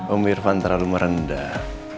om irfan terlalu merendah